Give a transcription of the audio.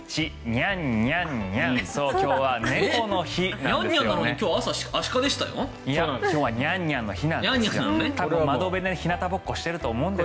今日はニャンニャンニャンの日です。